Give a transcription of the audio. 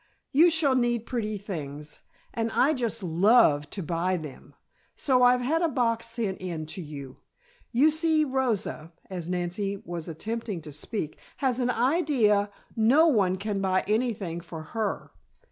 "You shall need pretty things, and I just love to buy them, so I've had a box sent in to you. You see, Rosa," as Nancy was attempting to speak, "has an idea no one can buy anything for her.